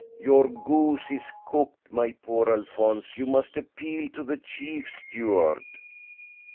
Your goose is cooked, my poor Alphonse. You must appeal to the chief steward."